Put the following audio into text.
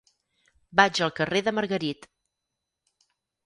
Vaig al carrer de Margarit.